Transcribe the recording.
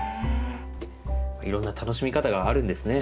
いろんな楽しみ方があるんですね。